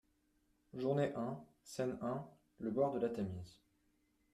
==JOURNEE un SCENE un== Le bord de la Tamise.